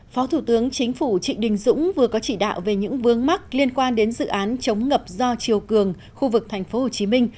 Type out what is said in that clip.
phó thủ tướng chính phủ trị đình dũng vừa có chỉ đạo về những vương mắc liên quan đến dự án chống ngập do chiều cường khu vực tp hcm